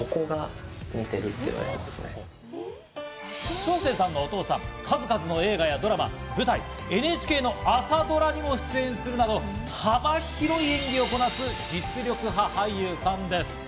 将清さんのお父さん、数々の映画やドラマ、舞台、ＮＨＫの朝ドラにも出演するなど幅広い演技をこなす実力派俳優さんです。